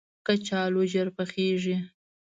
کچالو ژر پخیږي